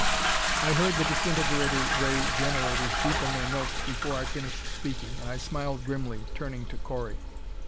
I heard the disintegrator ray generators deepen their notes before I finished speaking, and I smiled grimly, turning to Correy.